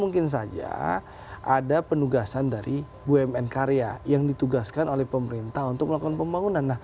mungkin saja ada penugasan dari bumn karya yang ditugaskan oleh pemerintah untuk melakukan pembangunan